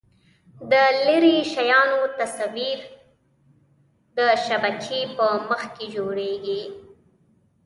د لیرې شیانو تصویر د شبکیې په مخ کې جوړېږي.